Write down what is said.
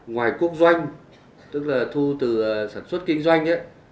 ngoài quốc doanh tức là thu từ sản xuất kinh doanh